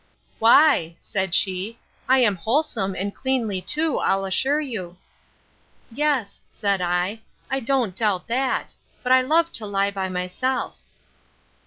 Why, said she, I am wholesome, and cleanly too, I'll assure you. Yes, said I, I don't doubt that; but I love to lie by myself.